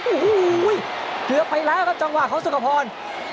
เหลือไปแล้วครับจังหวะของสุกภพร